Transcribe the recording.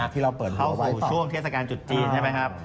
เข้าสู่ช่วงเทศกาลจุดจีน